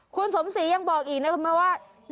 คุณสมศรียังบอกอีกนะคุณแม่ว่า